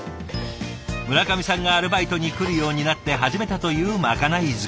村上さんがアルバイトに来るようになって始めたというまかない作り。